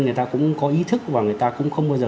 người ta cũng có ý thức và người ta cũng không bao giờ